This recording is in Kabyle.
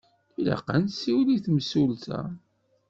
Ilaq ad nsiwel i temsulta.